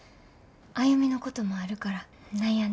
歩のこともあるから悩んでて。